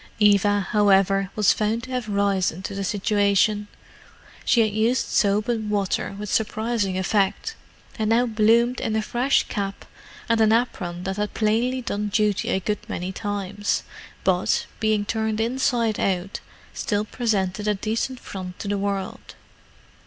Eva, however, was found to have risen to the situation. She had used soap and water with surprising effect, and now bloomed in a fresh cap and an apron that had plainly done duty a good many times, but, being turned inside out, still presented a decent front to the world.